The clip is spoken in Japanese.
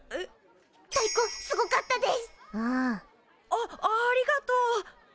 あっありがとう。